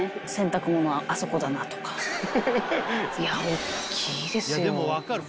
大っきいですよ。